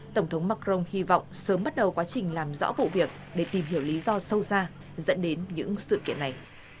tổng thống macron hy vọng sớm bắt đầu quá trình làm rõ vụ việc để tìm hiểu lý do sâu xa dẫn đến những sự kiện này